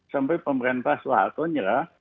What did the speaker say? sampai pemerintah suharto nyerah